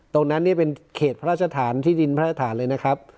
ตรงนั้นเนี่ยเป็นเขตพระราชฐานที่ดินพระราชฐานเลยนะครับ